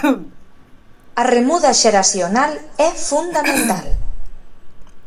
A remuda xeracional é fundamental.